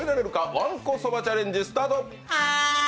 わんこそばチャレンジスタート。